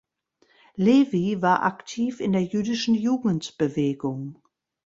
Lewy war aktiv in der jüdischen Jugendbewegung.